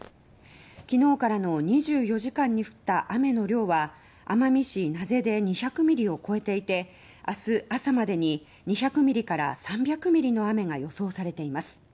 昨日からの２４時間に降った雨の量は奄美市名瀬で２００ミリを超えていてあす朝までに２００ミリから３００ミリの雨が予想されています。